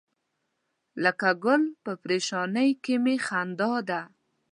لکه ګل په پرېشانۍ کې می خندا ده.